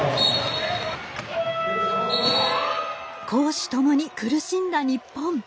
攻守ともに苦しんだ日本。